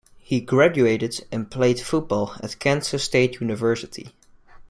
He graduated and played football at Kansas State University.